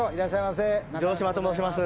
城島と申します。